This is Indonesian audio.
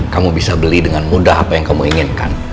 kamu bisa beli dengan mudah apa yang kamu inginkan